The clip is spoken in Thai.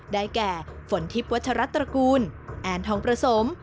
ได้แก่ฝนทิพย์วัชรัตรกูลแอนทองประสม